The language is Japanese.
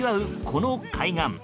この海岸。